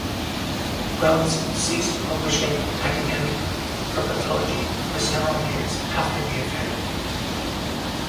Wells ceased publishing academic herpetology for several years after the affair.